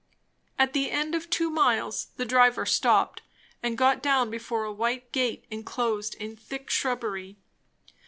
At the end of two miles the driver stopped and got down before a white gate enclosed in thick shrubbery.